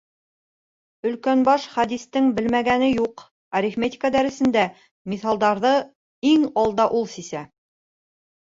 Өлкәнбаш Хәдистең белмәгәне юҡ, арифметика дәресендә миҫалдарҙы иң алда ул сисә.